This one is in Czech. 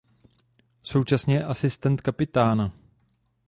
Současně je asistent kapitána.